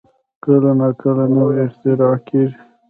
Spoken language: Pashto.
کله نا کله نوې اختراع کېږي.